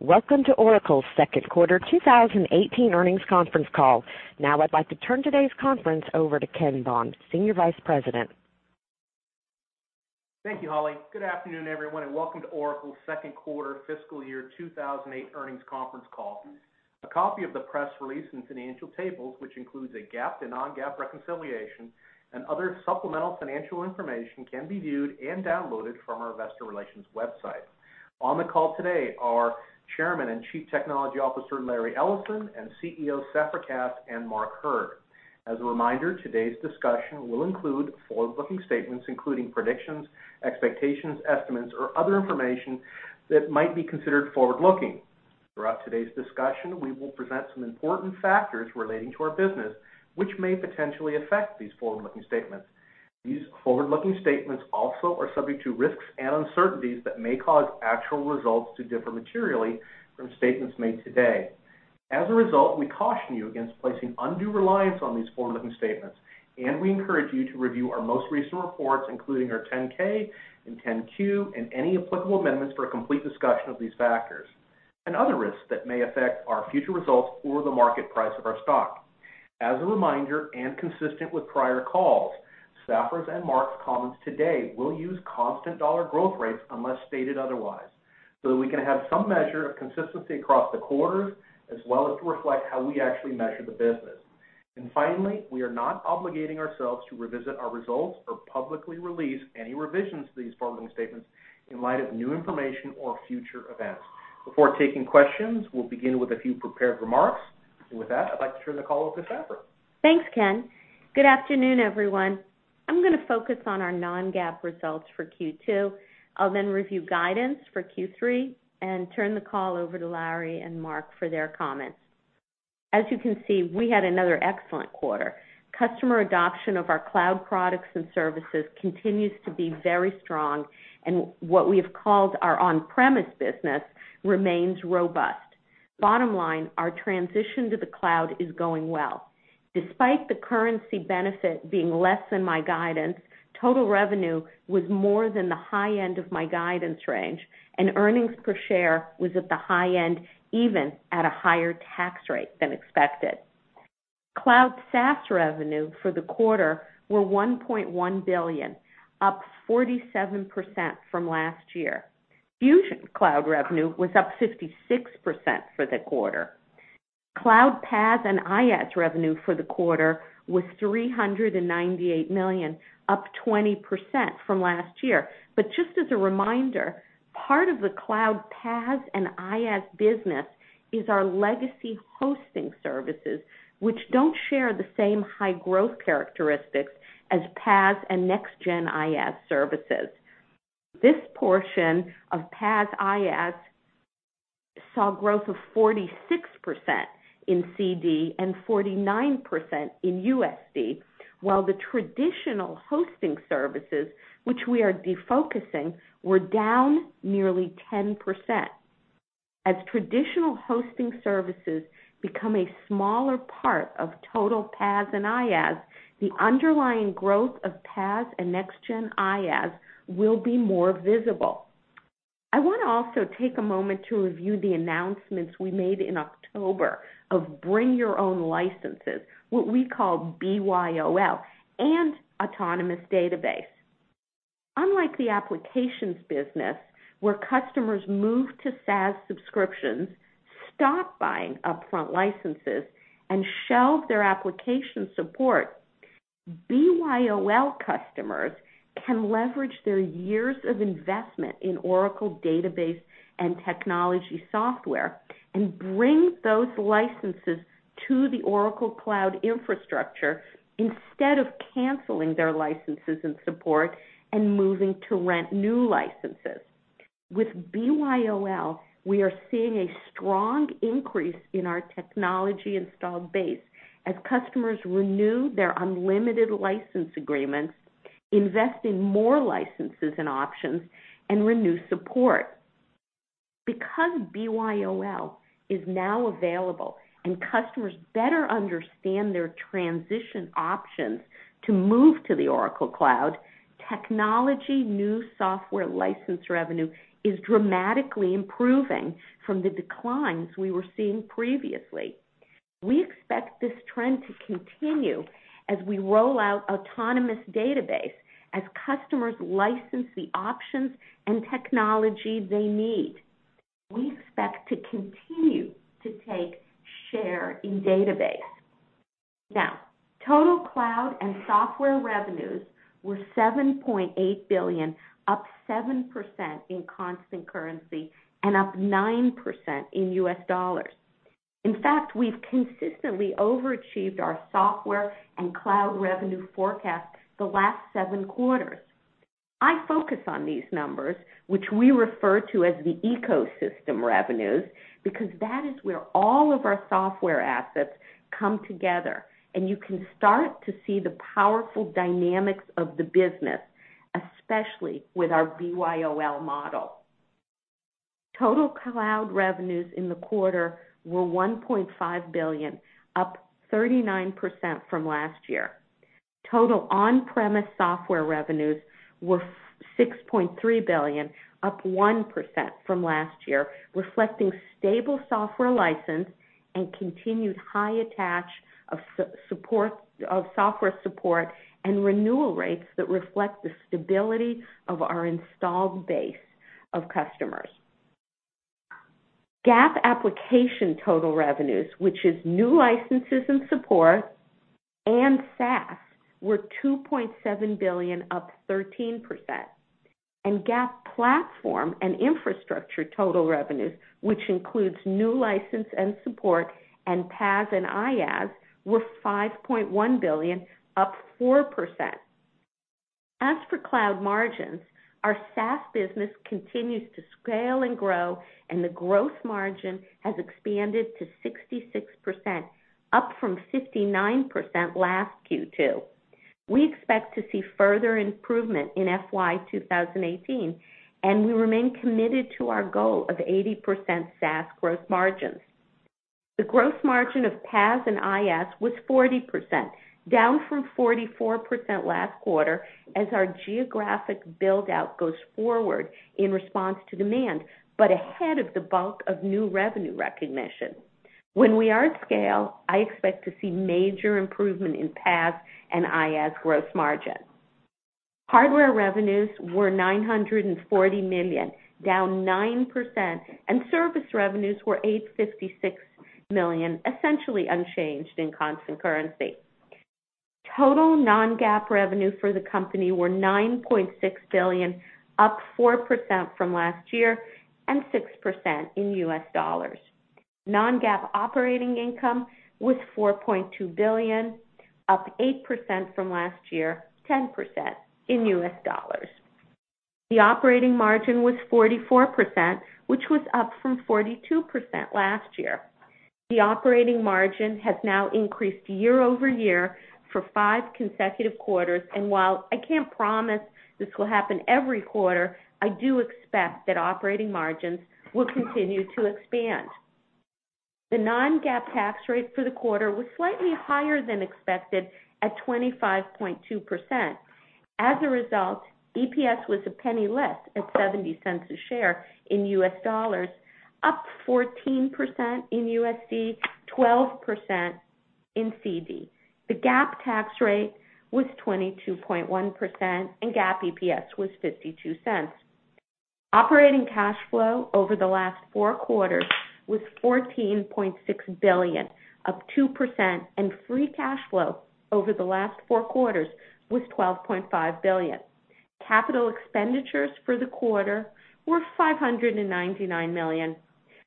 Welcome to Oracle's second quarter 2018 earnings conference call. I'd like to turn today's conference over to Ken Bond, Senior Vice President. Thank you, Holly. Good afternoon, everyone, and welcome to Oracle's second quarter fiscal year 2018 earnings conference call. A copy of the press release and financial tables, which includes a GAAP and non-GAAP reconciliation and other supplemental financial information, can be viewed and downloaded from our investor relations website. On the call today are Chairman and Chief Technology Officer, Larry Ellison, and CEO, Safra Catz, and Mark Hurd. As a reminder, today's discussion will include forward-looking statements, including predictions, expectations, estimates, or other information that might be considered forward-looking. Throughout today's discussion, we will present some important factors relating to our business, which may potentially affect these forward-looking statements. These forward-looking statements also are subject to risks and uncertainties that may cause actual results to differ materially from statements made today. As a result, we caution you against placing undue reliance on these forward-looking statements, and we encourage you to review our most recent reports, including our 10-K and 10-Q, and any applicable amendments for a complete discussion of these factors and other risks that may affect our future results or the market price of our stock. As a reminder, and consistent with prior calls, Safra's and Mark's comments today will use constant dollar growth rates unless stated otherwise, so that we can have some measure of consistency across the quarters as well as to reflect how we actually measure the business. Finally, we are not obligating ourselves to revisit our results or publicly release any revisions to these forward-looking statements in light of new information or future events. Before taking questions, we'll begin with a few prepared remarks. With that, I'd like to turn the call over to Safra. Thanks, Ken. Good afternoon, everyone. I'm going to focus on our non-GAAP results for Q2. I'll then review guidance for Q3 and turn the call over to Larry and Mark for their comments. As you can see, we had another excellent quarter. Customer adoption of our cloud products and services continues to be very strong, and what we've called our on-premise business remains robust. Bottom line, our transition to the cloud is going well. Despite the currency benefit being less than my guidance, total revenue was more than the high end of my guidance range, and earnings per share was at the high end, even at a higher tax rate than expected. Cloud SaaS revenue for the quarter were $1.1 billion, up 47% from last year. Fusion Cloud revenue was up 56% for the quarter. Cloud PaaS and IaaS revenue for the quarter was $398 million, up 20% from last year. Just as a reminder, part of the Cloud PaaS and IaaS business is our legacy hosting services, which don't share the same high growth characteristics as PaaS and next-gen IaaS services. This portion of PaaS/IaaS saw growth of 46% in CD and 49% in USD, while the traditional hosting services, which we are defocusing, were down nearly 10%. As traditional hosting services become a smaller part of total PaaS and IaaS, the underlying growth of PaaS and next-gen IaaS will be more visible. I want to also take a moment to review the announcements we made in October of Bring Your Own Licenses, what we call BYOL, and Autonomous Database. Unlike the applications business where customers move to SaaS subscriptions, stop buying upfront licenses, and shelve their application support, BYOL customers can leverage their years of investment in Oracle database and technology software and bring those licenses to the Oracle Cloud Infrastructure instead of canceling their licenses and support and moving to rent new licenses. With BYOL, we are seeing a strong increase in our technology installed base as customers renew their unlimited license agreements, invest in more licenses and options, and renew support. Because BYOL is now available and customers better understand their transition options to move to the Oracle Cloud, technology new software license revenue is dramatically improving from the declines we were seeing previously. We expect this trend to continue as we roll out Autonomous Database, as customers license the options and technology they need. We expect to continue to take share in database. Total cloud and software revenues were $7.8 billion, up 7% in constant currency and up 9% in US dollars. In fact, we've consistently overachieved our software and cloud revenue forecasts the last seven quarters. I focus on these numbers, which we refer to as the ecosystem revenues, because that is where all of our software assets come together, and you can start to see the powerful dynamics of the business, especially with our BYOL model. Total cloud revenues in the quarter were $1.5 billion, up 39% from last year. Total on-premise software revenues were $6.3 billion, up 1% from last year, reflecting stable software license and continued high attach of software support and renewal rates that reflect the stability of our installed base of customers. GAAP application total revenues, which is new licenses and support and SaaS, were $2.7 billion, up 13%. GAAP platform and infrastructure total revenues, which includes new license and support and PaaS and IaaS, were $5.1 billion, up 4%. As for cloud margins, our SaaS business continues to scale and grow, and the gross margin has expanded to 66%, up from 59% last Q2. We expect to see further improvement in FY 2018, and we remain committed to our goal of 80% SaaS gross margins. The gross margin of PaaS and IaaS was 40%, down from 44% last quarter as our geographic build-out goes forward in response to demand, but ahead of the bulk of new revenue recognition. When we are at scale, I expect to see major improvement in PaaS and IaaS gross margins. Hardware revenues were $940 million, down 9%, and service revenues were $856 million, essentially unchanged in constant currency. Total non-GAAP revenue for the company was $9.6 billion, up 4% from last year and 6% in U.S. dollars. Non-GAAP operating income was $4.2 billion, up 8% from last year, 10% in U.S. dollars. The operating margin was 44%, which was up from 42% last year. The operating margin has now increased year-over-year for five consecutive quarters, and while I can't promise this will happen every quarter, I do expect that operating margins will continue to expand. The non-GAAP tax rate for the quarter was slightly higher than expected at 25.2%. As a result, EPS was a penny less at $0.70 a share in U.S. dollars, up 14% in USD, 12% in [CC]. The GAAP tax rate was 22.1%, and GAAP EPS was $0.52. Operating cash flow over the last four quarters was $14.6 billion, up 2%, and free cash flow over the last four quarters was $12.5 billion. Capital expenditures for the quarter were $599 million.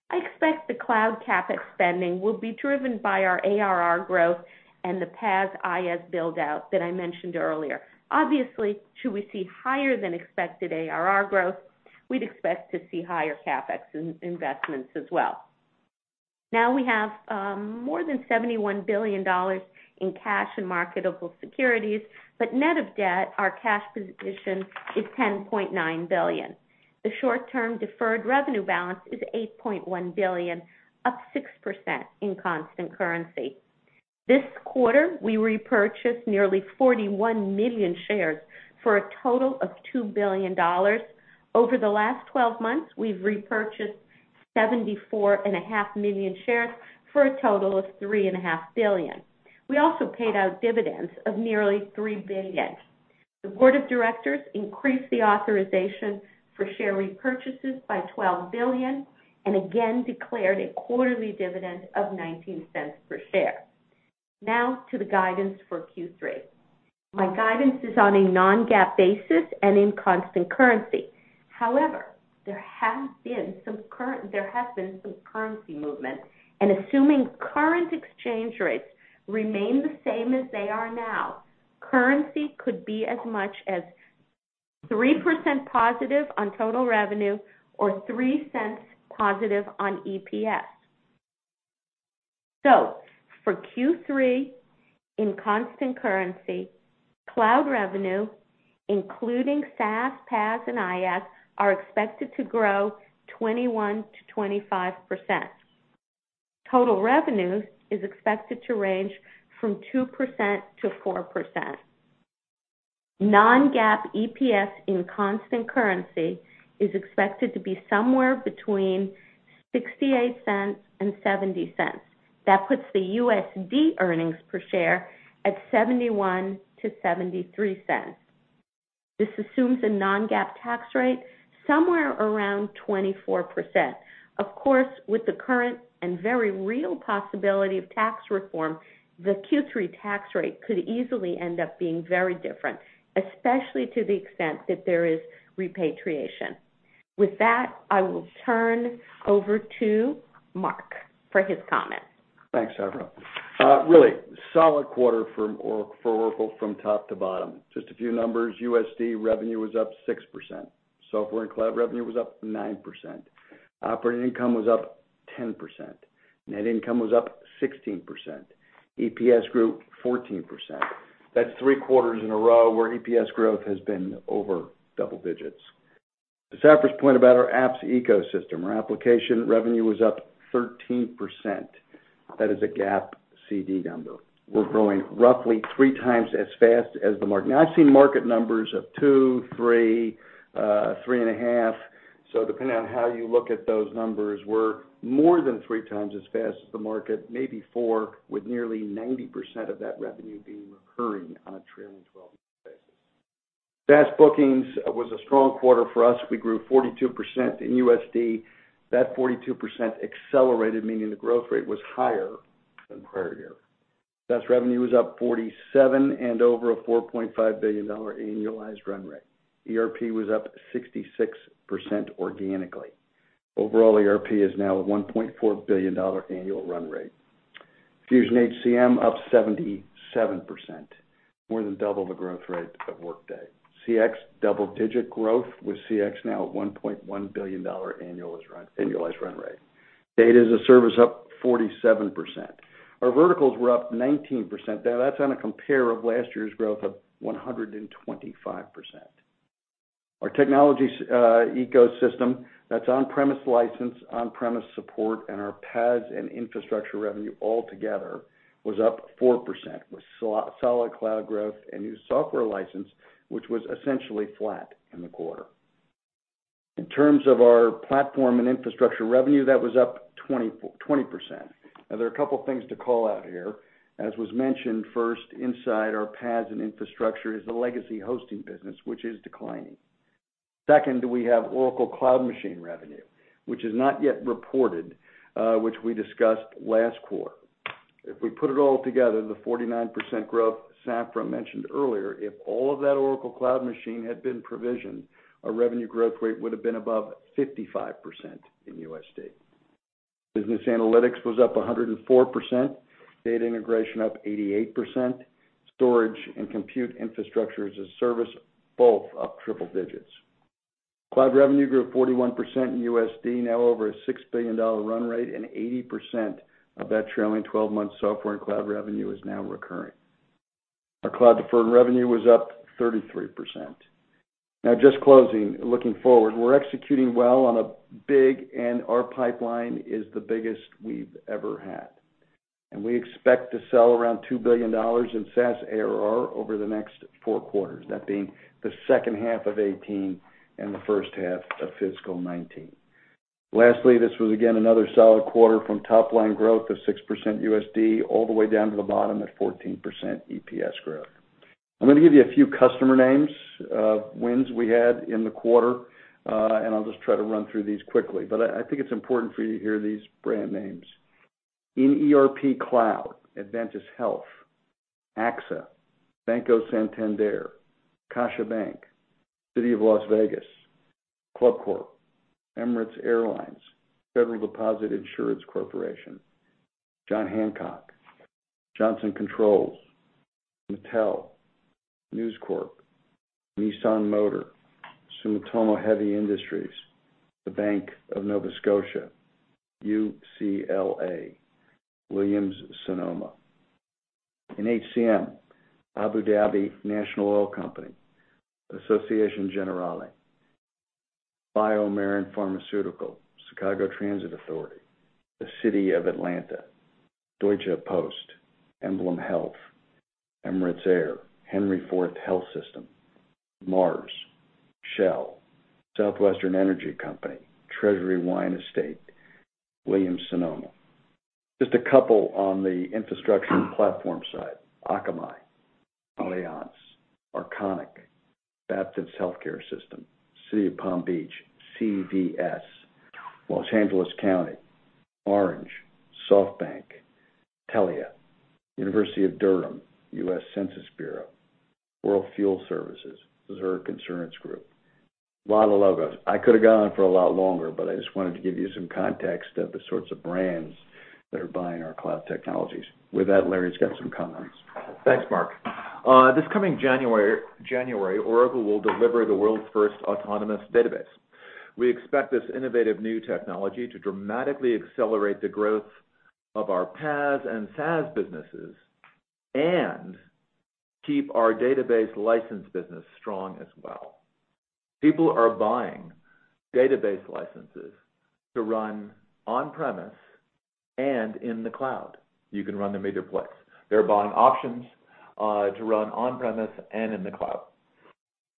I expect the cloud CapEx spending will be driven by our ARR growth and the PaaS/IaaS build-out that I mentioned earlier. Obviously, should we see higher than expected ARR growth, we'd expect to see higher CapEx investments as well. We have more than $71 billion in cash and marketable securities, but net of debt, our cash position is $10.9 billion. The short-term deferred revenue balance is $8.1 billion, up 6% in constant currency. This quarter, we repurchased nearly 41 million shares for a total of $2 billion. Over the last 12 months, we've repurchased 74.5 million shares for a total of $3.5 billion. We also paid out dividends of nearly $3 billion. The board of directors increased the authorization for share repurchases by $12 billion and again declared a quarterly dividend of $0.19 per share. To the guidance for Q3. My guidance is on a non-GAAP basis and in constant currency. There has been some currency movement, and assuming current exchange rates remain the same as they are now, currency could be as much as 3% positive on total revenue or $0.03 positive on EPS. For Q3, in constant currency, cloud revenue, including SaaS, PaaS, and IaaS, is expected to grow 21%-25%. Total revenue is expected to range from 2%-4%. Non-GAAP EPS in constant currency is expected to be somewhere between $0.68 and $0.70. That puts the USD earnings per share at $0.71-$0.73. This assumes a non-GAAP tax rate somewhere around 24%. Of course, with the current and very real possibility of tax reform, the Q3 tax rate could easily end up being very different, especially to the extent that there is repatriation. With that, I will turn over to Mark for his comments. Thanks, Safra. Really solid quarter for Oracle from top to bottom. Just a few numbers. USD revenue was up 6%. Software and cloud revenue was up 9%. Operating income was up 10%. Net income was up 16%. EPS grew 14%. That's three quarters in a row where EPS growth has been over double digits. Safra's point about our apps ecosystem. Our application revenue was up 13%. That is a GAAP CD number. I've seen market numbers of two, three and a half. Depending on how you look at those numbers, we're more than three times as fast as the market, maybe four, with nearly 90% of that revenue being recurring on a trailing 12-month basis. SaaS bookings was a strong quarter for us. We grew 42% in USD. That 42% accelerated, meaning the growth rate was higher than prior year. SaaS revenue was up 47% and over a $4.5 billion annualized run rate. ERP was up 66% organically. Overall, ERP is now at $1.4 billion annual run rate. Fusion HCM up 77%, more than double the growth rate of Workday. CX, double-digit growth, with CX now at $1.1 billion annualized run rate. Data as a service up 47%. Our verticals were up 19%. That's on a compare of last year's growth of 125%. Our technology ecosystem, that's on-premise license, on-premise support, and our PaaS and infrastructure revenue all together was up 4%, with solid cloud growth and new software license, which was essentially flat in the quarter. In terms of our platform and infrastructure revenue, that was up 20%. There are a couple things to call out here. As was mentioned first, inside our PaaS and infrastructure is the legacy hosting business, which is declining. Second, we have Oracle Cloud Machine revenue, which is not yet reported, which we discussed last quarter. If we put it all together, the 49% growth Safra mentioned earlier, if all of that Oracle Cloud Machine had been provisioned, our revenue growth rate would've been above 55% in USD. Business analytics was up 104%, data integration up 88%, storage and compute Infrastructures as a Service, both up triple digits. Cloud revenue grew 41% in USD, now over a $6 billion run rate, and 80% of that trailing 12 months software and cloud revenue is now recurring. Our cloud deferred revenue was up 33%. Just closing, looking forward, we're executing well on a big and our pipeline is the biggest we've ever had. We expect to sell around $2 billion in SaaS ARR over the next 4 quarters, that being the second half of 2018 and the first half of fiscal 2019. Lastly, this was again another solid quarter from top-line growth of 6% USD all the way down to the bottom at 14% EPS growth. I am going to give you a few customer names, wins we had in the quarter, and I will just try to run through these quickly, but I think it is important for you to hear these brand names. In ERP Cloud, Adventist Health, AXA, Banco Santander, CaixaBank, City of Las Vegas, ClubCorp, Emirates Airline, Federal Deposit Insurance Corporation, John Hancock, Johnson Controls, Mattel, News Corp, Nissan Motor, Sumitomo Heavy Industries, the Bank of Nova Scotia, UCLA, Williams-Sonoma. In HCM, Abu Dhabi National Oil Company, Assicurazioni Generali, BioMarin Pharmaceutical, Chicago Transit Authority, the City of Atlanta, Deutsche Post, EmblemHealth, Emirates Air, Henry Ford Health System, Mars, Shell, Southwestern Energy Company, Treasury Wine Estates, Williams-Sonoma. Just a couple on the infrastructure platform side, Akamai, Allianz, Arconic, Baptist Healthcare System, City of Palm Beach, CVS, Los Angeles County, Orange County, SoftBank, Telia, Durham University, U.S. Census Bureau, World Fuel Services, Zurich Insurance Group. A lot of logos. I could have gone on for a lot longer, but I just wanted to give you some context of the sorts of brands that are buying our cloud technologies. With that, Larry has got some comments. Thanks, Mark. This coming January, Oracle will deliver the world's first Oracle Autonomous Database. We expect this innovative new technology to dramatically accelerate the growth of our PaaS and SaaS businesses and keep our database license business strong as well. People are buying database licenses to run on-premise and in the cloud. You can run them either place. They are buying options to run on-premise and in the cloud.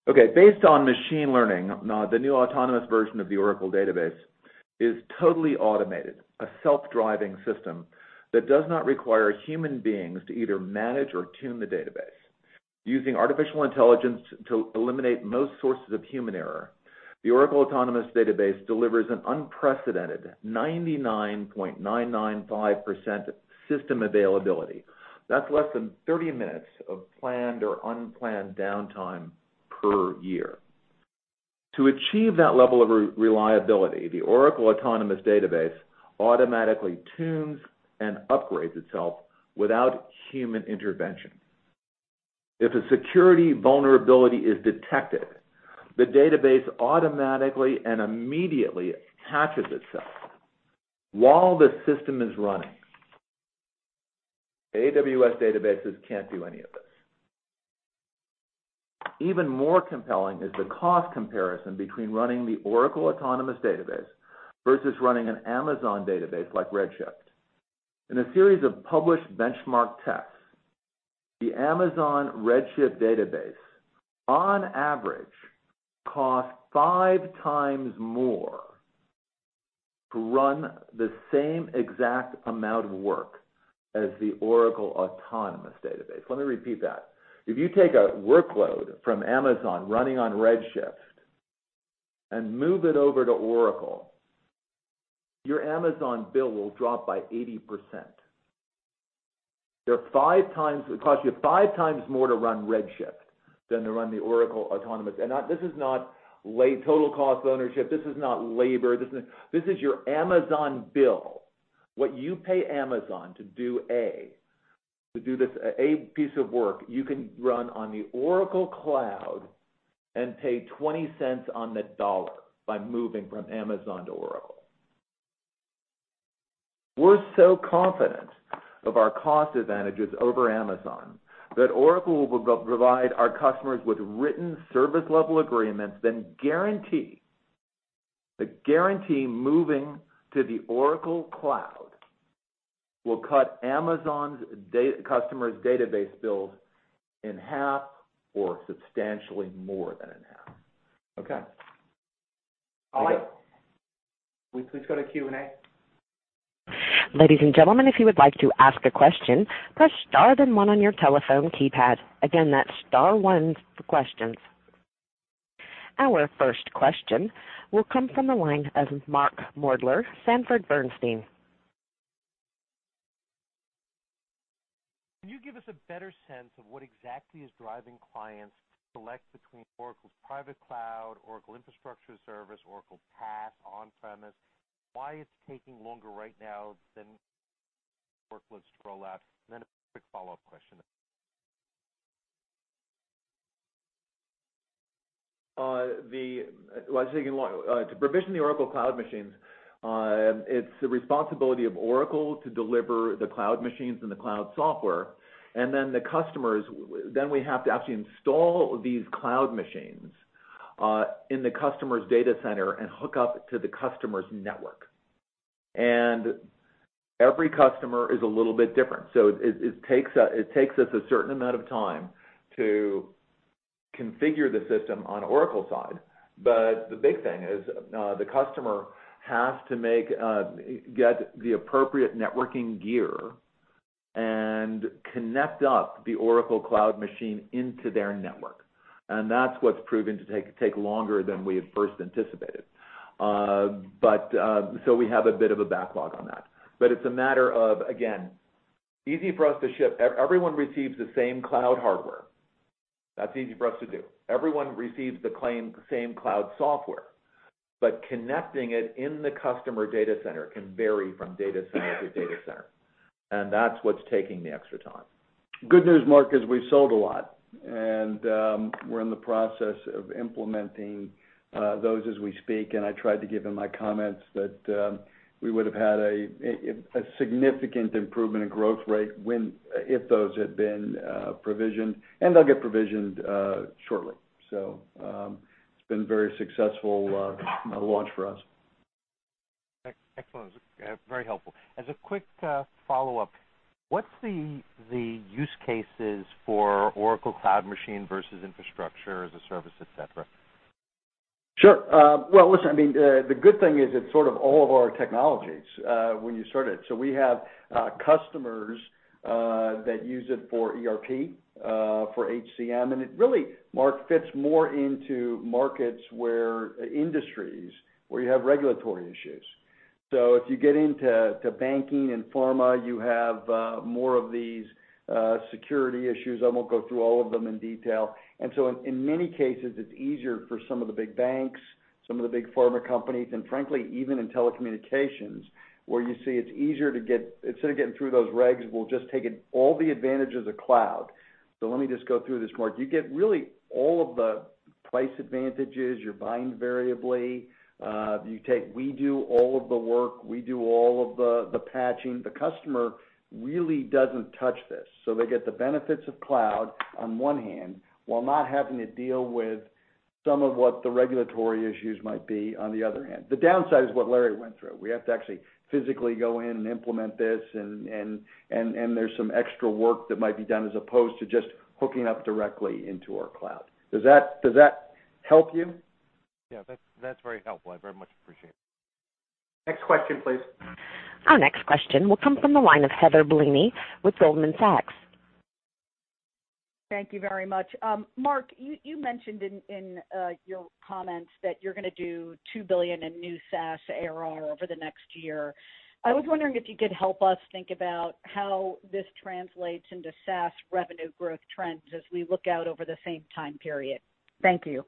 Okay, based on machine learning, the new autonomous version of the Oracle Autonomous Database is totally automated, a self-driving system that does not require human beings to either manage or tune the database. Using artificial intelligence to eliminate most sources of human error, the Oracle Autonomous Database delivers an unprecedented 99.995% system availability. That is less than 30 minutes of planned or unplanned downtime per year. To achieve that level of reliability, the Oracle Autonomous Database automatically tunes and upgrades itself without human intervention. If a security vulnerability is detected, the database automatically and immediately patches itself while the system is running AWS databases can't do any of this. Even more compelling is the cost comparison between running the Oracle Autonomous Database versus running an Amazon database like Amazon Redshift. In a series of published benchmark tests, the Amazon Redshift database, on average, costs five times more to run the same exact amount of work as the Oracle Autonomous Database. Let me repeat that. If you take a workload from Amazon running on Amazon Redshift and move it over to Oracle, your Amazon bill will drop by 80%. It will cost you five times more to run Amazon Redshift than to run the Oracle Autonomous Database. This is not total cost of ownership. This is not labor. This is your Amazon bill. What you pay Amazon to do A, to do this A piece of work, you can run on the Oracle Cloud and pay $0.20 on the dollar by moving from Amazon to Oracle. We're so confident of our cost advantages over Amazon that Oracle will provide our customers with written service level agreements that guarantee moving to the Oracle Cloud will cut Amazon's customers' database bills in half or substantially more than in half. Okay. All right. Please go to Q&A. Ladies and gentlemen, if you would like to ask a question, press star then one on your telephone keypad. Again, that's star one for questions. Our first question will come from the line of Mark Moerdler, Sanford Bernstein. Can you give us a better sense of what exactly is driving clients to select between Oracle's private cloud, Oracle Cloud Infrastructure, Oracle PaaS, on-premise? Why it's taking longer right now than workloads to roll out? A quick follow-up question. To provision the Oracle Cloud machines, it's the responsibility of Oracle to deliver the cloud machines and the cloud software. Then we have to actually install these cloud machines in the customer's data center and hook up to the customer's network. Every customer is a little bit different. It takes us a certain amount of time to configure the system on Oracle's side. The big thing is, the customer has to get the appropriate networking gear and connect up the Oracle Cloud Machine into their network. That's what's proven to take longer than we had first anticipated. We have a bit of a backlog on that. It's a matter of, again, easy for us to ship. Everyone receives the same cloud hardware. That's easy for us to do. Everyone receives the same cloud software. Connecting it in the customer data center can vary from data center to data center, and that's what's taking the extra time. Good news, Mark, is we've sold a lot, and we're in the process of implementing those as we speak. I tried to give in my comments that we would've had a significant improvement in growth rate if those had been provisioned, and they'll get provisioned shortly. It's been a very successful launch for us. Excellent. Very helpful. As a quick follow-up, what's the use cases for Oracle Cloud Machine versus Infrastructure as a Service, et cetera? Sure. Well, listen, the good thing is it's sort of all of our technologies when you start it. We have customers that use it for ERP, for HCM, and it really, Mark, fits more into markets where industries, where you have regulatory issues. If you get into banking and pharma, you have more of these security issues. I won't go through all of them in detail. In many cases, it's easier for some of the big banks, some of the big pharma companies, and frankly, even in telecommunications, where you see instead of getting through those regs, we'll just take all the advantages of cloud. Let me just go through this, Mark. You get really all of the price advantages. You're buying variably. We do all of the work. We do all of the patching. The customer really doesn't touch this. They get the benefits of cloud on one hand, while not having to deal with some of what the regulatory issues might be on the other hand. The downside is what Larry went through. We have to actually physically go in and implement this, and there's some extra work that might be done as opposed to just hooking up directly into our cloud. Does that help you? Yeah. That's very helpful. I very much appreciate it. Next question, please. Our next question will come from the line of Heather Bellini with Goldman Sachs. Thank you very much. Mark, you mentioned in your comments that you're going to do $2 billion in new SaaS ARR over the next year. I was wondering if you could help us think about how this translates into SaaS revenue growth trends as we look out over the same time period. Thank you.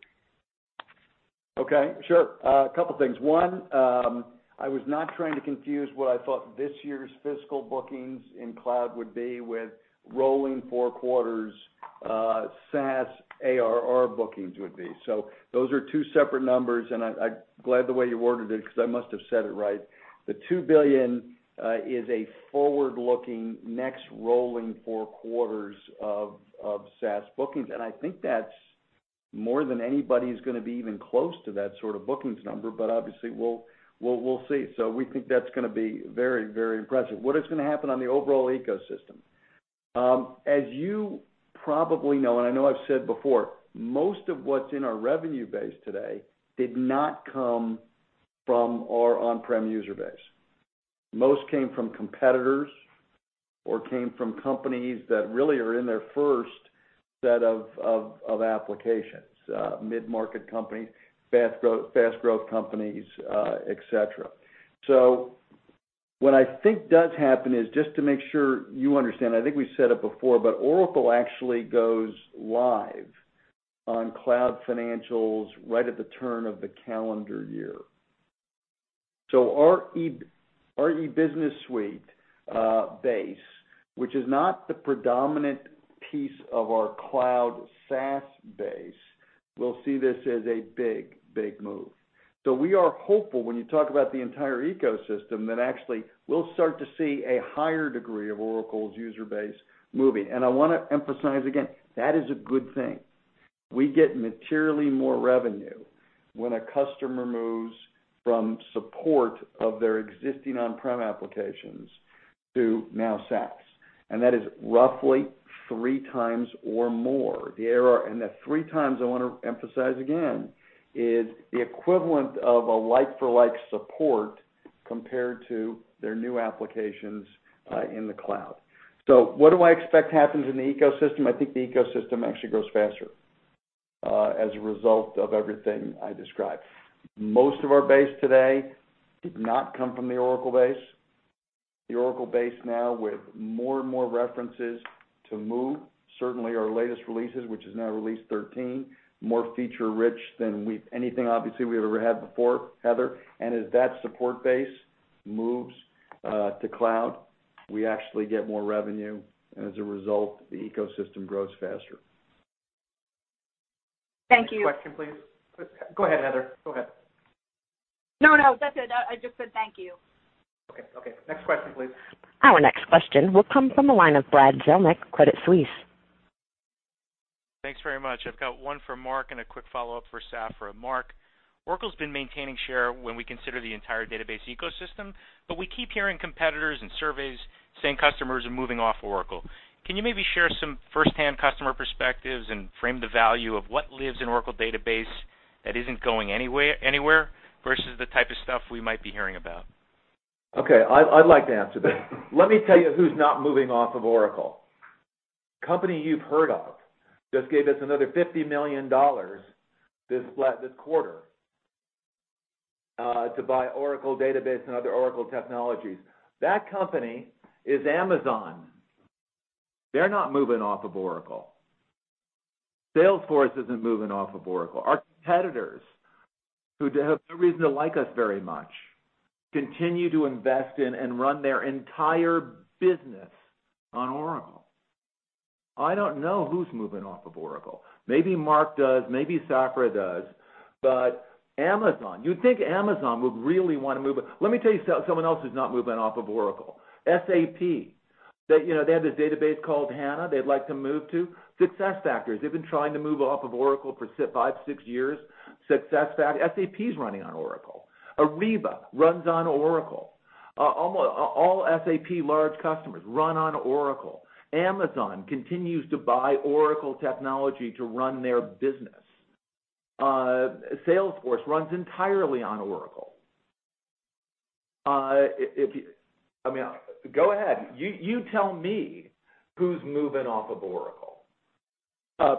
Okay, sure. A couple things. One, I was not trying to confuse what I thought this year's fiscal bookings in Cloud would be with rolling four quarters' SaaS ARR bookings would be. Those are two separate numbers, and I'm glad the way you worded it, because I must have said it right. The $2 billion is a forward-looking next rolling four quarters of SaaS bookings. More than anybody is going to be even close to that sort of bookings number. Obviously, we'll see. We think that's going to be very, very impressive. What is going to happen on the overall ecosystem? As you probably know, and I know I've said before, most of what's in our revenue base today did not come from our on-prem user base. Most came from competitors or came from companies that really are in their first set of applications, mid-market companies, fast growth companies, et cetera. What I think does happen is, just to make sure you understand, I think we said it before, but Oracle actually goes live on Cloud financials right at the turn of the calendar year. Our Oracle E-Business Suite base, which is not the predominant piece of our cloud SaaS base, will see this as a big, big move. We are hopeful when you talk about the entire ecosystem, that actually we'll start to see a higher degree of Oracle's user base moving. I want to emphasize again, that is a good thing. We get materially more revenue when a customer moves from support of their existing on-prem applications to now SaaS, and that is roughly three times or more. That 3 times, I want to emphasize again, is the equivalent of a like-for-like support compared to their new applications in the cloud. What do I expect happens in the ecosystem? I think the ecosystem actually grows faster as a result of everything I described. Most of our base today did not come from the Oracle base. The Oracle base now with more and more references to move, certainly our latest releases, which is now release 13, more feature rich than anything obviously we've ever had before, Heather. As that support base moves to cloud, we actually get more revenue, and as a result, the ecosystem grows faster. Thank you. Question, please. Go ahead, Heather. Go ahead. No, that's it. I just said thank you. Okay. Next question, please. Our next question will come from the line of Brad Zelnick, Credit Suisse. Thanks very much. I've got one for Mark and a quick follow-up for Safra. Mark, Oracle's been maintaining share when we consider the entire database ecosystem, but we keep hearing competitors and surveys saying customers are moving off Oracle. Can you maybe share some first-hand customer perspectives and frame the value of what lives in Oracle database that isn't going anywhere versus the type of stuff we might be hearing about? Okay. I'd like to answer that. Let me tell you who's not moving off of Oracle. A company you've heard of just gave us another $50 million this quarter to buy Oracle database and other Oracle technologies. That company is Amazon. They're not moving off of Oracle. Salesforce isn't moving off of Oracle. Our competitors, who have no reason to like us very much, continue to invest in and run their entire business on Oracle. I don't know who's moving off of Oracle. Maybe Mark does, maybe Safra does, but Amazon, you'd think Amazon would really want to move. Let me tell you someone else who's not moving off of Oracle, SAP. They have this database called HANA they'd like to move to. SuccessFactors, they've been trying to move off of Oracle for five, six years. SAP's running on Oracle. Ariba runs on Oracle. All SAP large customers run on Oracle. Amazon continues to buy Oracle technology to run their business. Salesforce runs entirely on Oracle. Go ahead. You tell me who's moving off of Oracle.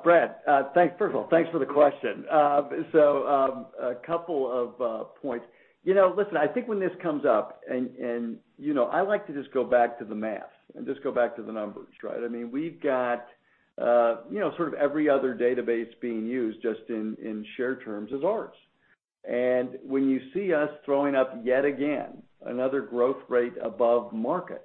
Brad, first of all, thanks for the question. A couple of points. Listen, I think when this comes up and I like to just go back to the math and just go back to the numbers, right? We've got sort of every other database being used just in shared terms as ours. And when you see us throwing up yet again another growth rate above market,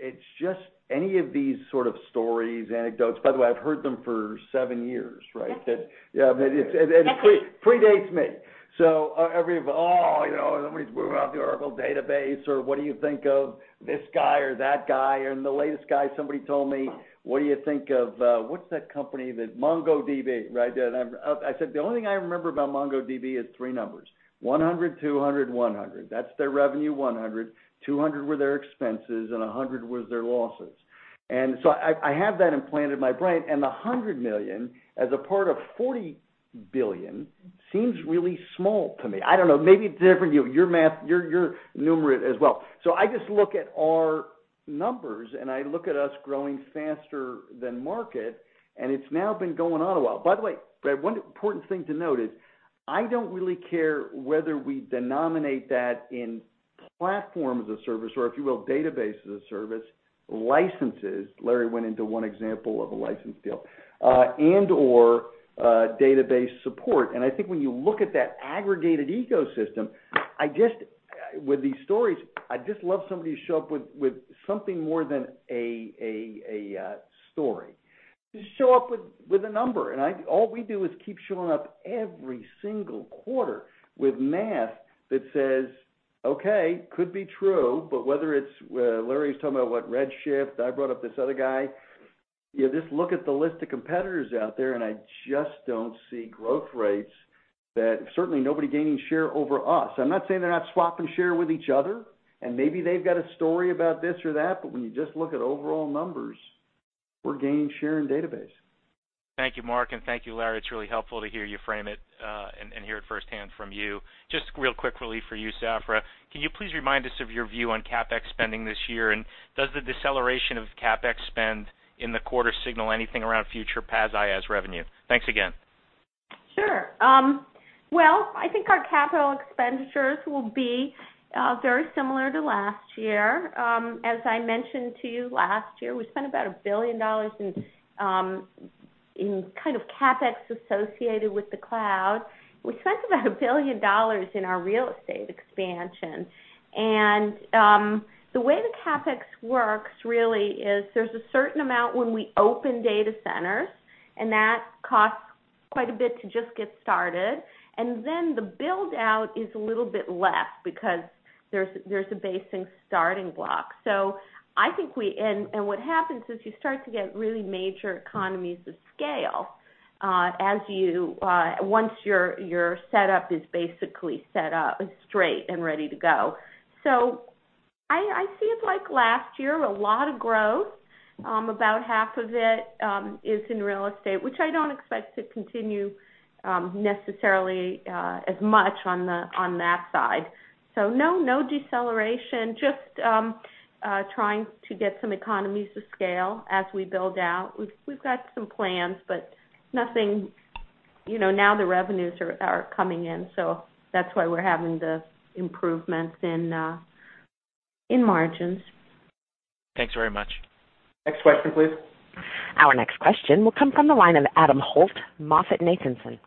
it's just any of these sort of stories, anecdotes, by the way, I've heard them for seven years, right? That's it. It predates me. Every, "Oh, somebody's moving off the Oracle database," or, "What do you think of this guy or that guy?" And the latest guy, somebody told me, "What do you think of" What's that company? MongoDB, right? I said, "The only thing I remember about MongoDB is three numbers, $100, $200, $100." That's their revenue, $100. $200 were their expenses, and $100 was their losses. I have that implanted in my brain. The $100 million as a part of $40 billion seems really small to me. I don't know, maybe it's different to you. You're numerate as well. I just look at our numbers, and I look at us growing faster than market, and it's now been going on a while. By the way, Brad, one important thing to note is I don't really care whether we denominate that in platform as a service or if you will, database as a service, licenses, Larry went into one example of a license deal, and/or database support. I think when you look at that aggregated ecosystem, with these stories, I'd just love somebody to show up with something more than a story. Just show up with a number. All we do is keep showing up every single quarter with math that says. Okay. Could be true, but whether it's, Larry's talking about what Redshift, I brought up this other guy. Just look at the list of competitors out there, and I just don't see growth rates that certainly nobody gaining share over us. I'm not saying they're not swapping share with each other, maybe they've got a story about this or that, when you just look at overall numbers, we're gaining share and database. Thank you, Mark, and thank you, Larry. It's really helpful to hear you frame it, and hear it firsthand from you. Just real quickly for you, Safra, can you please remind us of your view on CapEx spending this year? Does the deceleration of CapEx spend in the quarter signal anything around future PaaS IaaS revenue? Thanks again. Sure. Well, I think our capital expenditures will be very similar to last year. As I mentioned to you last year, we spent about $1 billion in kind of CapEx associated with the cloud. We spent about $1 billion in our real estate expansion. The way the CapEx works really is there's a certain amount when we open data centers, and that costs quite a bit to just get started. Then the build-out is a little bit less because there's a base and starting block. What happens is you start to get really major economies of scale, once your setup is basically set up straight and ready to go. I see it like last year, a lot of growth. About half of it is in real estate, which I don't expect to continue, necessarily as much on that side. No deceleration, just trying to get some economies of scale as we build out. We've got some plans, but nothing. Now the revenues are coming in, so that's why we're having the improvements in margins. Thanks very much. Next question, please. Our next question will come from the line of Adam Holt, MoffettNathanson.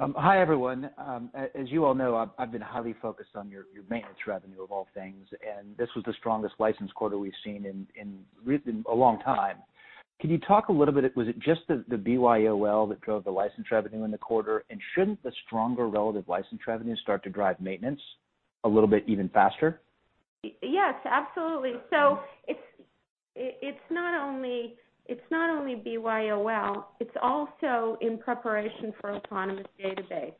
Hi, everyone. As you all know, I've been highly focused on your maintenance revenue of all things. This was the strongest license quarter we've seen in a long time. Can you talk a little bit, was it just the BYOL that drove the license revenue in the quarter, and shouldn't the stronger relative license revenue start to drive maintenance a little bit even faster? Yes, absolutely. It's not only BYOL, it's also in preparation for Autonomous Database.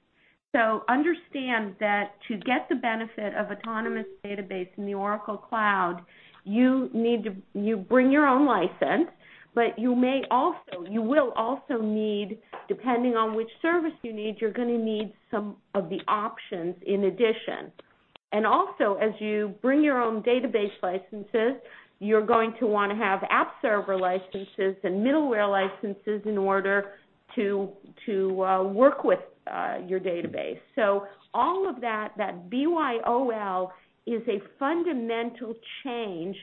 Understand that to get the benefit of Autonomous Database in the Oracle Cloud, you bring your own license, but you will also need, depending on which service you need, you're going to need some of the options in addition. Also, as you bring your own database licenses, you're going to want to have app server licenses and middleware licenses in order to work with your database. All of that BYOL is a fundamental change,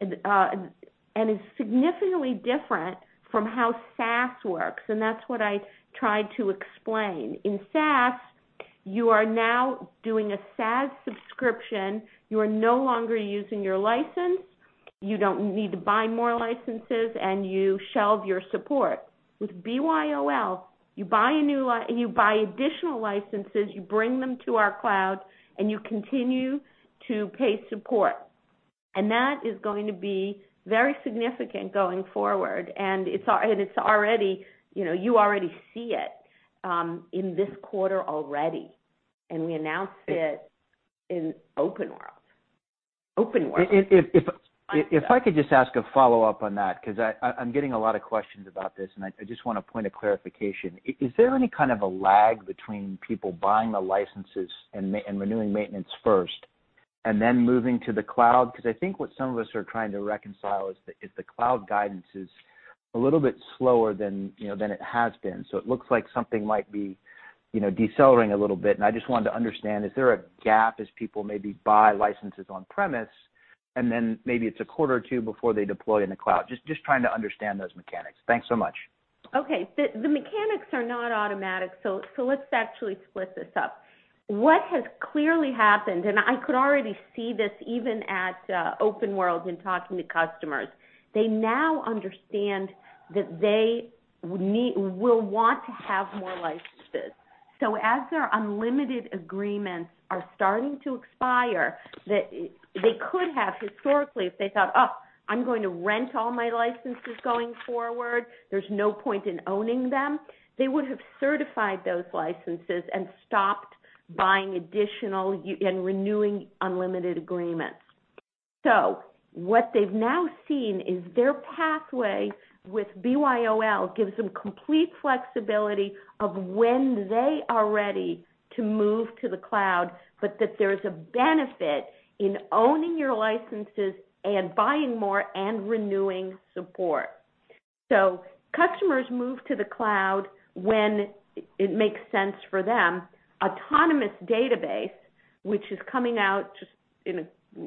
and is significantly different from how SaaS works, and that's what I tried to explain. In SaaS, you are now doing a SaaS subscription. You are no longer using your license. You don't need to buy more licenses, and you shelve your support. With BYOL, you buy additional licenses, you bring them to our cloud, and you continue to pay support. That is going to be very significant going forward. You already see it, in this quarter already. We announced it in OpenWorld. If I could just ask a follow-up on that, because I'm getting a lot of questions about this, and I just want a point of clarification. Is there any kind of a lag between people buying the licenses and renewing maintenance first, and then moving to the cloud? I think what some of us are trying to reconcile is the cloud guidance is a little bit slower than it has been. It looks like something might be decelerating a little bit, and I just wanted to understand, is there a gap as people maybe buy licenses on-premise, and then maybe it's a quarter or two before they deploy in the cloud? Just trying to understand those mechanics. Thanks so much. Okay. The mechanics are not automatic, so let's actually split this up. What has clearly happened, and I could already see this even at OpenWorld in talking to customers, they now understand that they will want to have more licenses. As their unlimited agreements are starting to expire, they could have historically, if they thought, "Oh, I'm going to rent all my licenses going forward. There's no point in owning them," they would have certified those licenses and stopped buying additional and renewing unlimited agreements. What they've now seen is their pathway with BYOL gives them complete flexibility of when they are ready to move to the cloud, but that there's a benefit in owning your licenses and buying more and renewing support. Customers move to the cloud when it makes sense for them. Autonomous database, which is coming out just in a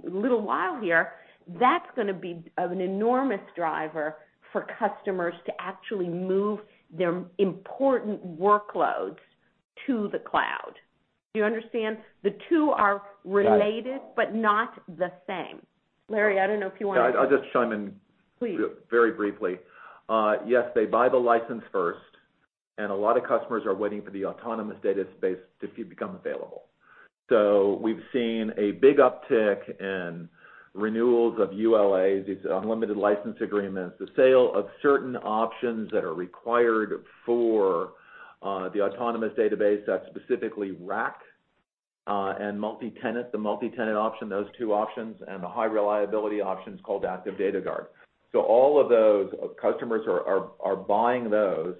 little while here, that's going to be an enormous driver for customers to actually move their important workloads to the cloud. Do you understand? The two are related. Got it not the same. Larry, I don't know if you want to. Yeah, I'll just chime in. Please very briefly. Yes, they buy the license first A lot of customers are waiting for the Autonomous Database to become available. We've seen a big uptick in renewals of ULAs, these unlimited license agreements, the sale of certain options that are required for the Autonomous Database. That's specifically RAC and Multitenant, the Multitenant option, those two options, and the high reliability options called Active Data Guard. All of those customers are buying those.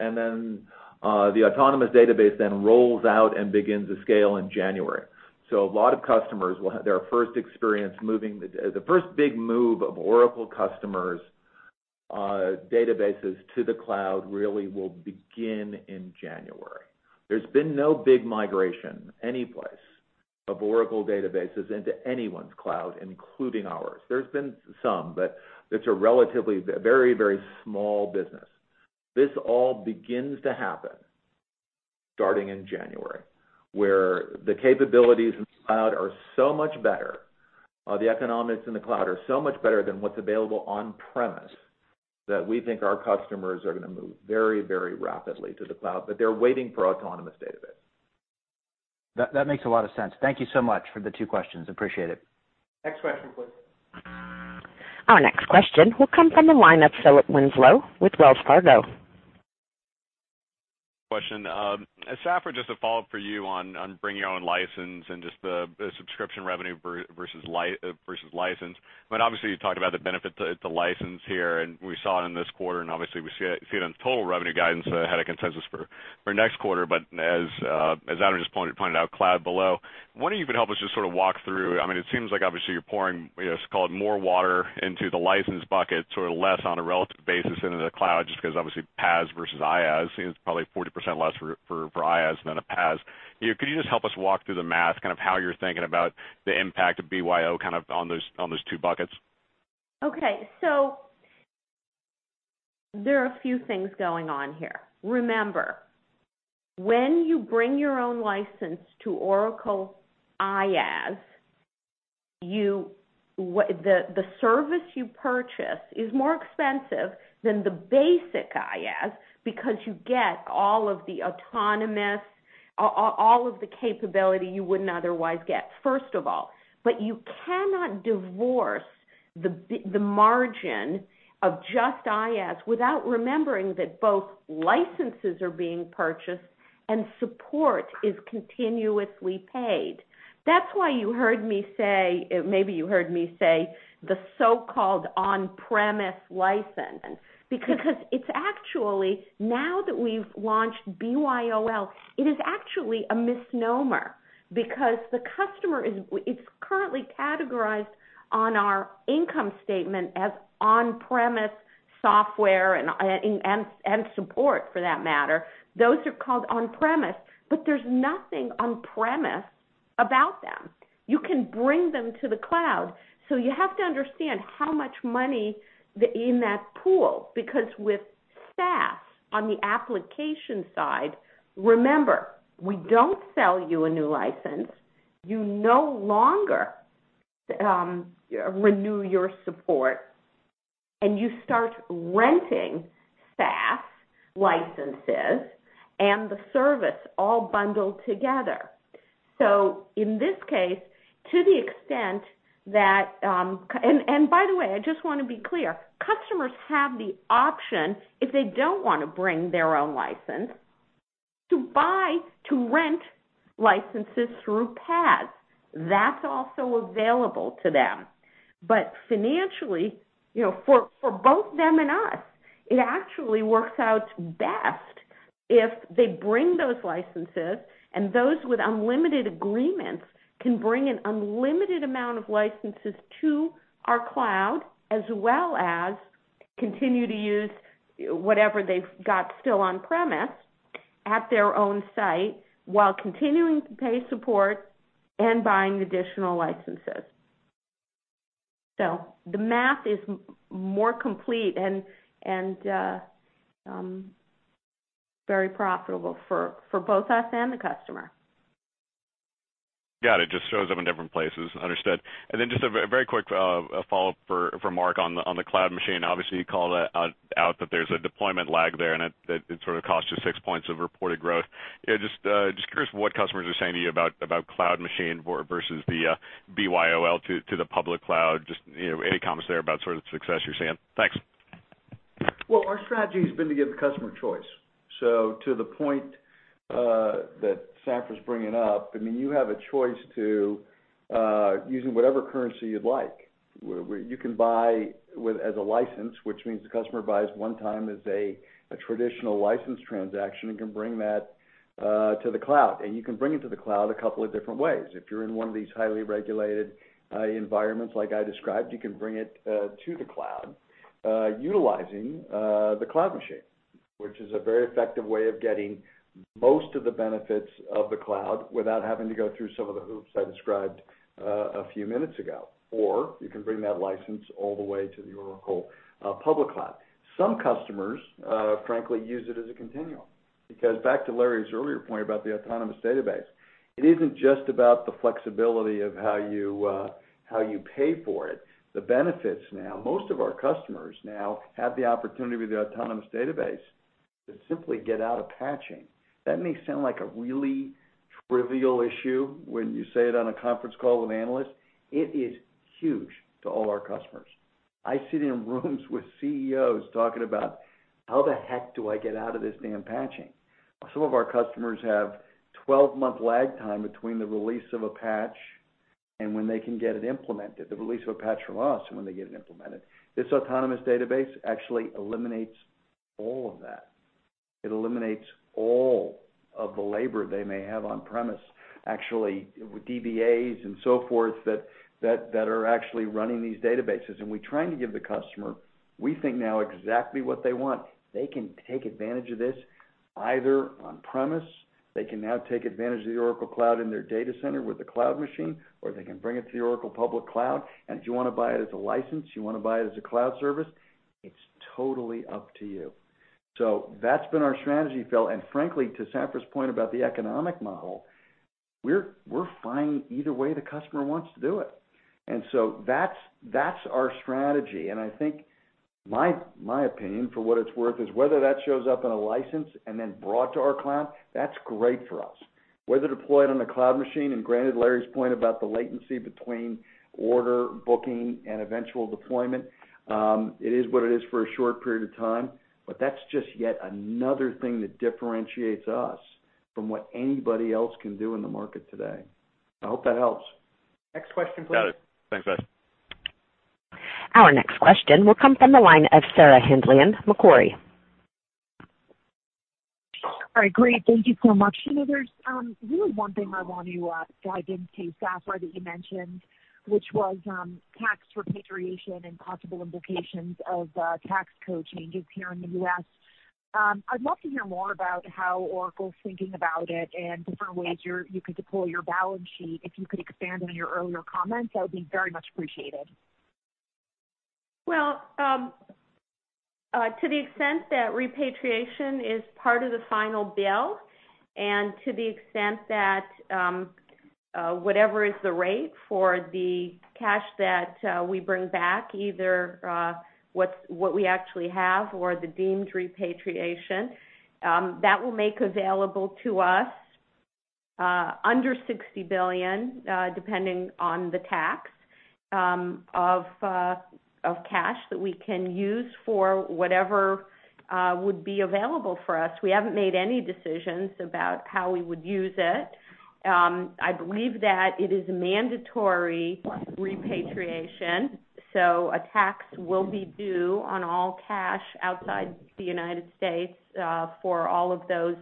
The Autonomous Database then rolls out and begins to scale in January. A lot of customers will have their first experience. The first big move of Oracle customers' databases to the cloud really will begin in January. There's been no big migration anyplace of Oracle databases into anyone's cloud, including ours. There's been some, but it's a relatively very small business. This all begins to happen starting in January, where the capabilities in the cloud are so much better, the economics in the cloud are so much better than what's available on-premise, that we think our customers are going to move very rapidly to the cloud. They're waiting for Autonomous Database. That makes a lot of sense. Thank you so much for the two questions. Appreciate it. Next question, please. Our next question will come from the line of Philip Winslow with Wells Fargo. Question. Safra, just a follow-up for you on bring your own license and just the subscription revenue versus license. I mean, obviously, you talked about the benefit to license here, and we saw it in this quarter, and obviously we see it on total revenue guidance ahead of consensus for next quarter. As Adam just pointed out, cloud below, wondering if you could help us just sort of walk through. I mean, it seems like obviously you're pouring, it's called more water into the license bucket, sort of less on a relative basis into the cloud, just because obviously PaaS versus IaaS, it's probably 40% less for IaaS than a PaaS. Could you just help us walk through the math, kind of how you're thinking about the impact of BYO kind of on those two buckets? Okay. There are a few things going on here. Remember, when you bring your own license to Oracle IaaS, the service you purchase is more expensive than the basic IaaS because you get all of the autonomous, all of the capability you wouldn't otherwise get, first of all. You cannot divorce the margin of just IaaS without remembering that both licenses are being purchased and support is continuously paid. That's why you heard me say, maybe you heard me say, the so-called on-premise license. Because it's actually, now that we've launched BYOL, it is actually a misnomer because the customer is currently categorized on our income statement as on-premise software and support for that matter. Those are called on-premise, but there's nothing on-premise about them. You can bring them to the cloud. You have to understand how much money in that pool, because with SaaS on the application side, remember, we don't sell you a new license. You no longer renew your support, and you start renting SaaS licenses and the service all bundled together. In this case, to the extent that-- By the way, I just want to be clear, customers have the option, if they don't want to bring their own license, to rent licenses through PaaS. That's also available to them. Financially, for both them and us, it actually works out best if they bring those licenses, and those with unlimited agreements can bring an unlimited amount of licenses to our cloud, as well as continue to use whatever they've got still on-premise at their own site while continuing to pay support and buying additional licenses. The math is more complete and very profitable for both us and the customer. Got it. Just shows up in different places. Understood. Then just a very quick follow-up for Mark on the Oracle Cloud Machine. Obviously, you called out that there's a deployment lag there, and it sort of cost you six points of reported growth. Just curious what customers are saying to you about Oracle Cloud Machine versus the BYOL to the Oracle Public Cloud. Just any comments there about sort of the success you're seeing. Thanks. Our strategy has been to give the customer choice. To the point that Safra's bringing up, I mean, you have a choice to using whatever currency you'd like, where you can buy as a license, which means the customer buys one time as a traditional license transaction and can bring that to the cloud. You can bring it to the cloud a couple of different ways. If you're in one of these highly regulated environments like I described, you can bring it to the cloud utilizing the Oracle Cloud Machine, which is a very effective way of getting most of the benefits of the cloud without having to go through some of the hoops I described a few minutes ago. You can bring that license all the way to the Oracle Public Cloud. Some customers, frankly, use it as a continuum. Back to Larry's earlier point about the Oracle Autonomous Database, it isn't just about the flexibility of how you pay for it. The benefits now, most of our customers now have the opportunity with the Oracle Autonomous Database To simply get out of patching. That may sound like a really trivial issue when you say it on a conference call with analysts. It is huge to all our customers. I sit in rooms with CEOs talking about, "How the heck do I get out of this damn patching?" Some of our customers have 12-month lag time between the release of a patch and when they can get it implemented, the release of a patch from us and when they get it implemented. This Oracle Autonomous Database actually eliminates all of that. It eliminates all of the labor they may have on-premise, actually, with DBAs and so forth that are actually running these databases. We're trying to give the customer, we think now exactly what they want. They can take advantage of this either on-premise. They can now take advantage of the Oracle Cloud in their data center with an Oracle Cloud Machine, or they can bring it to the Oracle Public Cloud. If you want to buy it as a license, you want to buy it as a cloud service, it's totally up to you. That's been our strategy, Phil. Frankly, to Safra Catz's point about the economic model, we're fine either way the customer wants to do it. That's our strategy. I think my opinion, for what it's worth, is whether that shows up in a license and then brought to our cloud, that's great for us. Whether deployed on the Oracle Cloud Machine, granted Larry Ellison's point about the latency between order, booking, and eventual deployment, it is what it is for a short period of time. That's just yet another thing that differentiates us from what anybody else can do in the market today. I hope that helps. Next question please. Got it. Thanks, guys. Our next question will come from the line of Sarah Hindlian, Macquarie. Great, thank you so much. There's really one thing I want to dive into, Safra, that you mentioned, which was tax repatriation and possible implications of tax code changes here in the U.S. I'd love to hear more about how Oracle's thinking about it and different ways you could deploy your balance sheet. If you could expand on your earlier comments, that would be very much appreciated. To the extent that repatriation is part of the final bill and to the extent that whatever is the rate for the cash that we bring back, either what we actually have or the deemed repatriation, that will make available to us under $60 billion, depending on the tax, of cash that we can use for whatever would be available for us. We haven't made any decisions about how we would use it. I believe that it is a mandatory repatriation, a tax will be due on all cash outside the U.S. for all of those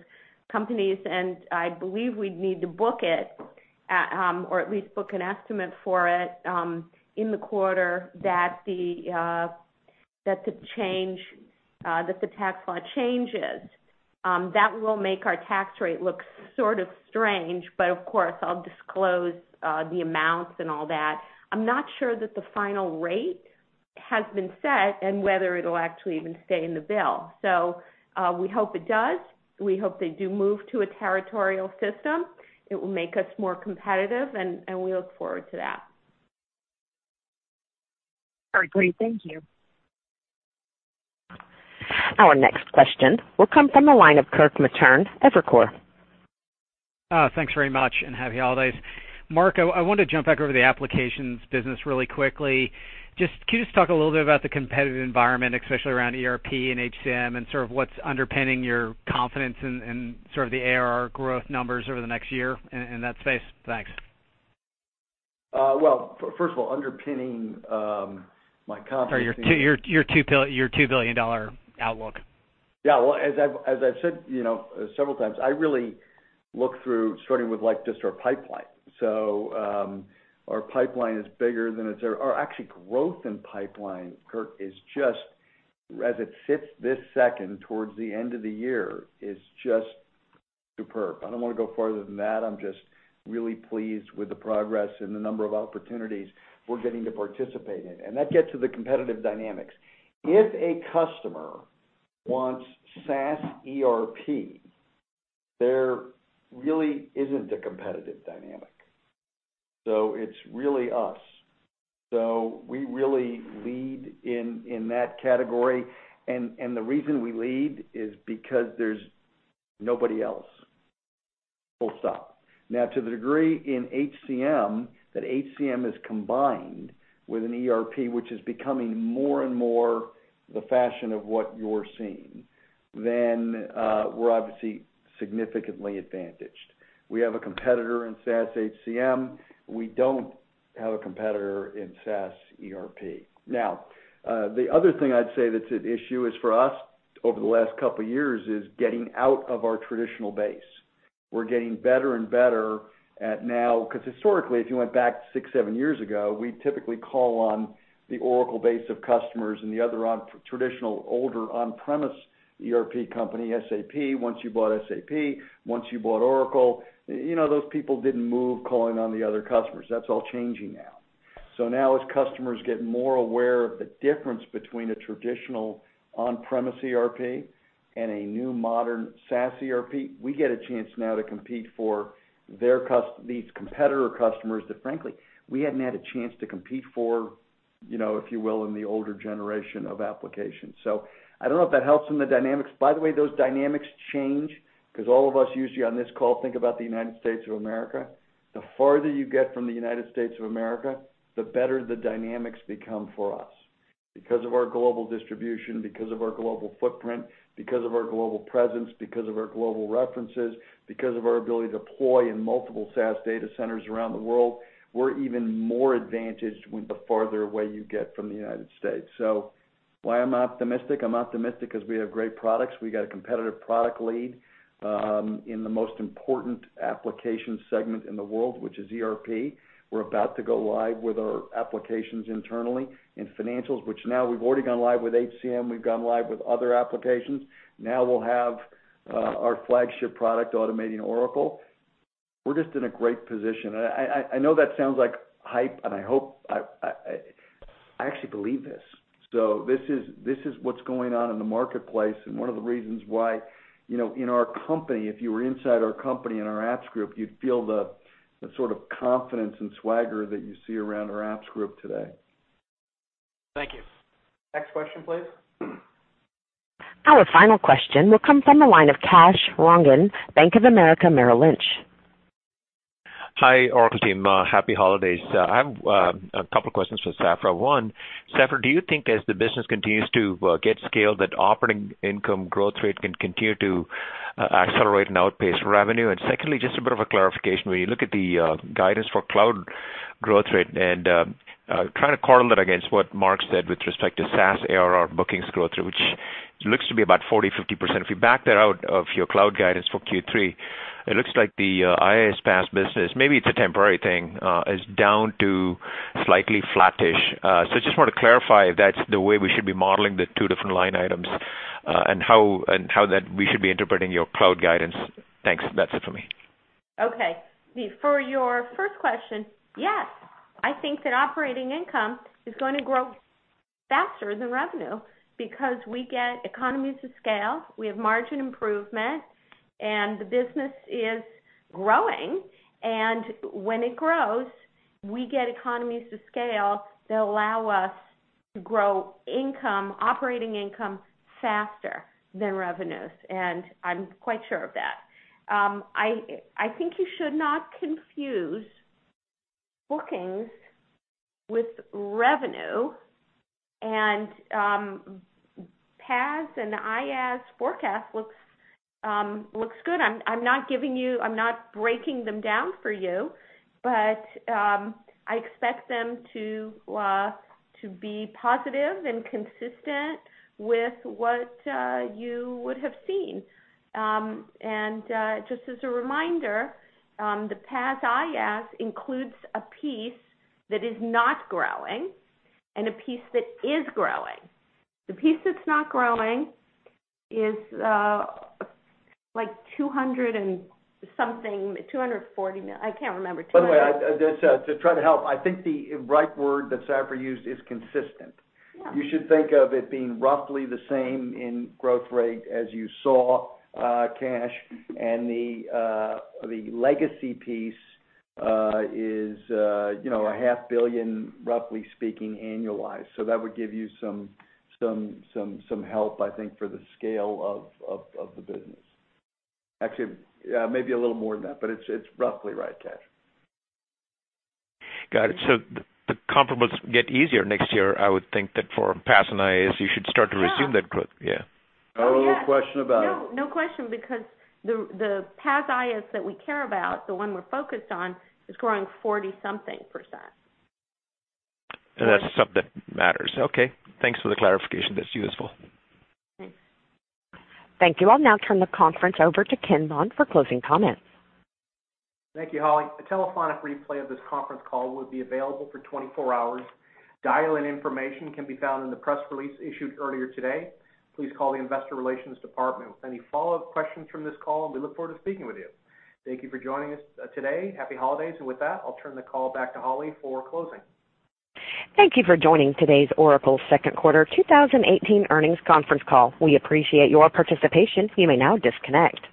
companies. I believe we'd need to book it, or at least book an estimate for it in the quarter that the tax law changes. That will make our tax rate look sort of strange, but of course, I'll disclose the amounts and all that. I'm not sure that the final rate has been set and whether it'll actually even stay in the bill. We hope it does. We hope they do move to a territorial system. It will make us more competitive, and we look forward to that. All right, great. Thank you. Our next question will come from the line of Kirk Materne, Evercore. Thanks very much, and happy holidays. Mark, I wanted to jump back over to the applications business really quickly. Can you just talk a little bit about the competitive environment, especially around ERP and HCM, and sort of what's underpinning your confidence in sort of the ARR growth numbers over the next year in that space? Thanks. Well, first of all, underpinning my confidence- Sorry, your $2 billion outlook. Yeah. Well, as I've said several times, I really look through starting with just our pipeline. Our pipeline is bigger than it's ever-- Actually, growth in pipeline, Kirk, as it sits this second towards the end of the year, is just superb. I don't want to go farther than that. I'm just really pleased with the progress and the number of opportunities we're getting to participate in. That gets to the competitive dynamics. If a customer wants SaaS ERP, there really isn't a competitive dynamic. It's really us. We really lead in that category, and the reason we lead is because there's nobody else, full stop. To the degree in HCM, that HCM is combined with an ERP, which is becoming more and more the fashion of what you're seeing, then we're obviously significantly advantaged. We have a competitor in SaaS HCM. We don't have a competitor in SaaS ERP. The other thing I'd say that's an issue is for us over the last couple of years is getting out of our traditional base. We're getting better and better at now-- Because historically, if you went back six, seven years ago, we'd typically call on the Oracle base of customers and the other traditional older on-premise ERP company, SAP. Once you bought SAP, once you bought Oracle, those people didn't move calling on the other customers. That's all changing now. As customers get more aware of the difference between a traditional on-premise ERP and a new modern SaaS ERP, we get a chance now to compete for these competitor customers that frankly, we hadn't had a chance to compete for If you will, in the older generation of applications. I don't know if that helps in the dynamics. By the way, those dynamics change because all of us usually on this call, think about the United States of America. The farther you get from the United States of America, the better the dynamics become for us. Because of our global distribution, because of our global footprint, because of our global presence, because of our global references, because of our ability to deploy in multiple SaaS data centers around the world, we're even more advantaged the farther away you get from the United States. Why I'm optimistic? I'm optimistic because we have great products. We got a competitive product lead in the most important application segment in the world, which is ERP. We're about to go live with our applications internally in financials, which now we've already gone live with HCM, we've gone live with other applications. Now we'll have our flagship product automating Oracle. We're just in a great position. I know that sounds like hype, and I actually believe this. This is what's going on in the marketplace, and one of the reasons why, if you were inside our company, in our apps group, you'd feel the sort of confidence and swagger that you see around our apps group today. Thank you. Next question, please. Our final question will come from the line of Kash Rangan, Bank of America Merrill Lynch. Hi, Oracle team. Happy holidays. I have a couple questions for Safra. One, Safra, do you think as the business continues to get scaled, that operating income growth rate can continue to accelerate and outpace revenue? Secondly, just a bit of a clarification. When you look at the guidance for cloud growth rate and trying to correlate against what Mark said with respect to SaaS ARR bookings growth rate, which looks to be about 40%, 50%. If you back that out of your cloud guidance for Q3, it looks like the IaaS, PaaS business, maybe it's a temporary thing, is down to slightly flattish. Just want to clarify if that's the way we should be modeling the two different line items, and how we should be interpreting your cloud guidance. Thanks. That's it for me. Okay. For your first question, yes, I think that operating income is going to grow faster than revenue because we get economies of scale, we have margin improvement, and the business is growing. When it grows, we get economies of scale that allow us to grow operating income faster than revenues, and I'm quite sure of that. I think you should not confuse bookings with revenue, PaaS and IaaS forecast looks good. I'm not breaking them down for you, but I expect them to be positive and consistent with what you would have seen. Just as a reminder, the PaaS, IaaS includes a piece that is not growing and a piece that is growing. The piece that's not growing is like two hundred and something. By the way, to try to help, I think the right word that Safra used is consistent. You should think of it being roughly the same in growth rate as you saw, Kash. The legacy piece is a half billion roughly speaking annualized. That would give you some help, I think, for the scale of the business. Actually, maybe a little more than that, but it's roughly right, Kash. Got it. The comparables get easier next year, I would think that for PaaS and IaaS, you should start to resume that growth. Yeah. No question about it. No question because the PaaS, IaaS that we care about, the one we're focused on, is growing forty something%. That's the stuff that matters. Okay, thanks for the clarification. That's useful. Thanks. Thank you. I'll now turn the conference over to Ken Bond for closing comments. Thank you, Holly. A telephonic replay of this conference call will be available for 24 hours. Dial-in information can be found in the press release issued earlier today. Please call the investor relations department with any follow-up questions from this call, and we look forward to speaking with you. Thank you for joining us today. Happy holidays. With that, I'll turn the call back to Holly for closing. Thank you for joining today's Oracle second quarter 2018 earnings conference call. We appreciate your participation. You may now disconnect.